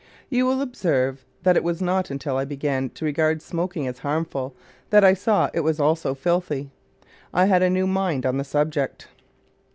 You will observe that it was not until I began to regard smoking as harmful that I saw it was also filthy. I had a new mind on the subject.